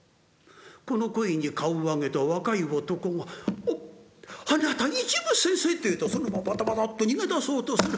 この声に顔を上げた若い男が「おっあなた一夢先生！」と言うとそのままバタバタっと逃げ出そうとする。